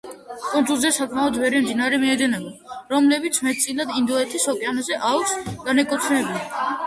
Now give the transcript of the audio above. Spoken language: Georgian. კუნძულზე საკმაოდ ბევრი მდინარე მიედინება, რომლებიც მეტწილად ინდოეთის ოკეანის აუზს განეკუთვნებიან.